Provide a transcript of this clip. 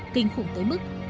kinh khủng tới mức